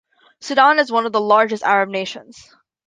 Sudan is one of the largest Arab nations.